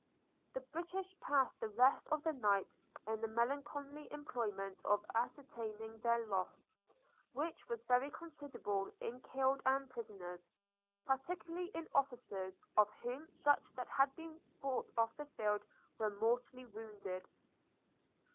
The British passed the rest of the night in the melancholy employment of ascertaining their loss, which was very considerable in killed and prisoners, particularly in officers, of whom some that had been brought off the field were mortally wounded.